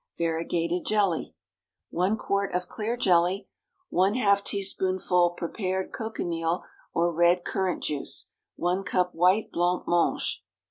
VARIEGATED JELLY. ✠ 1 quart of clear jelly. ½ teaspoonful prepared cochineal or red currant juice. 1 cup white blanc mange.